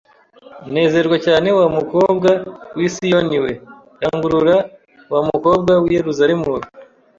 Nezerwa cyane wa mukobwa w'i Sioni we! Rangurura wa mukobwa w'i Yerusalemu we